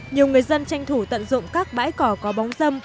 nhiều người dân tranh thủ tận dụng các bãi cỏ có bóng dâm